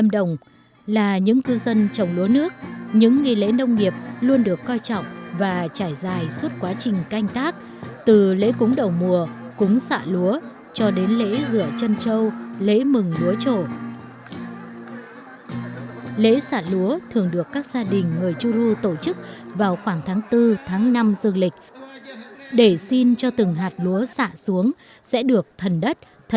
đầu tiên là cũng phải tế thân trước là ôi dàng đạc dàng cô dàng tênh dàng bì bà